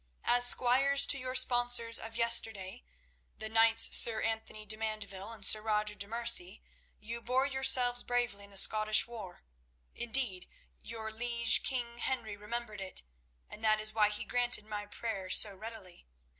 As squires to your sponsors of yesterday, the knights Sir Anthony de Mandeville and Sir Roger de Merci, you bore yourselves bravely in the Scottish War; indeed, your liege king Henry remembered it, and that is why he granted my prayer so readily.